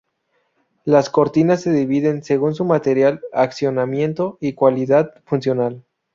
Las cortinas se dividen según su material, accionamiento y cualidad funcional.